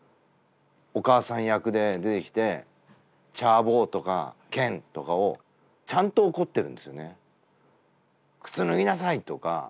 お母さん役で出てきてチャー坊とかケンとかをちゃんと怒ってるんですよね。